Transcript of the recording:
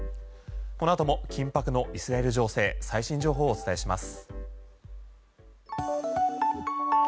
この後も緊迫のイスラエル情勢最新情報をお伝えします。